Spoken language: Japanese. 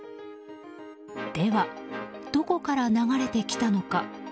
では、どこから流れてきたのか。